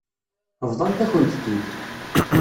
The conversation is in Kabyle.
Bḍant-akent-t-id.